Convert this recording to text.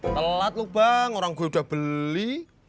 telat lu bang orang gue udah beli